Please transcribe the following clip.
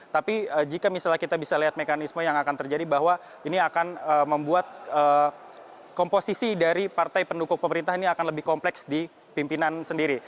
tapi jika misalnya kita bisa lihat mekanisme yang akan terjadi bahwa ini akan membuat komposisi dari partai pendukung pemerintah ini akan lebih kompleks di pimpinan sendiri